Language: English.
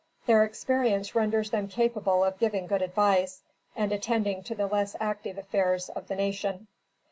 Their experience renders them capable of giving good advice, and attending to the less active affairs of the nation.